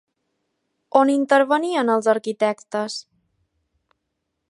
On intervenien els arquitectes?